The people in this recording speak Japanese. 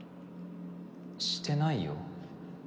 してないよ